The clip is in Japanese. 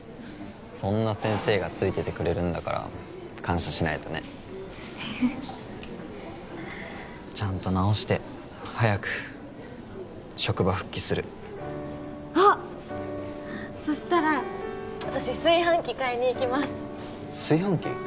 そんな先生がついててくれるんだから感謝しないとねちゃんと治して早く職場復帰するあっそしたら私炊飯器買いに行きます炊飯器？